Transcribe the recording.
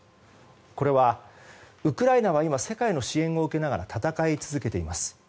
これは、ウクライナは今世界の支援を受けながら戦い続けています。